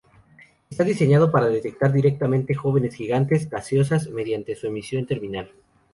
Está diseñado para detectar directamente jóvenes gigantes gaseosas, mediante su emisión termal.